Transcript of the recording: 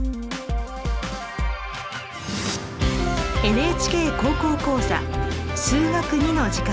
ＮＨＫ高校講座「数学Ⅱ」の時間です。